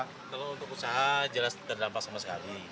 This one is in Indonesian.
kalau untuk usaha jelas tidak ada dampak sama sekali